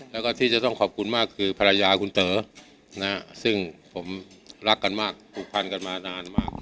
แล้วก็ที่จะต้องขอบคุณมากคือภรรยาคุณเต๋อซึ่งผมรักกันมากผูกพันกันมานานมาก